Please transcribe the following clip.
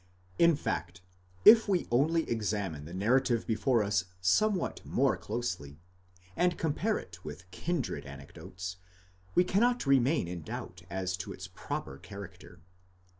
In fact, if we only examine the narrative before us somewhat more closely, and compare it with kindred anecdotes, we cannot remain in doubt as to its proper character.